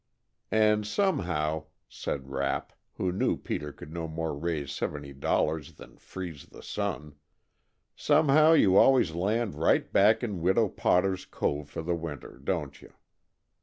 "And somehow," said Rapp, who knew Peter could no more raise seventy dollars than freeze the sun, "somehow you always land right back in Widow Potter's cove for the winter, don't you?